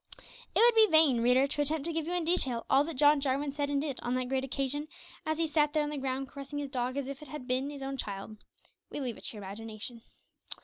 It would be vain, reader to attempt to give you in detail all that John Jarwin said and did on that great occasion, as he sat there on the ground caressing his dog as if it had been his own child. We leave it to your imagination!